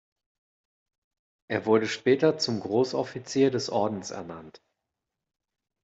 Er wurde später zum Großoffizier des Ordens ernannt.